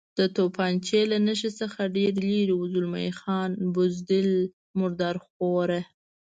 د تفنګچې له نښې څخه ډېر لرې و، زلمی خان: بزدل، مرادرخواره.